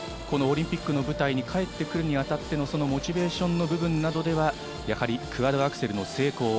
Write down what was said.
オリンピックの舞台に帰ってくるに当たってのモチベーションの部分などでは、やはりクアッドアクセルの成功。